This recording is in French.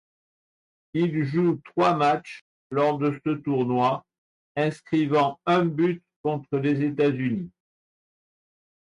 Il joue trois matchs lors de ce tournoi, inscrivant un but contre les États-Unis.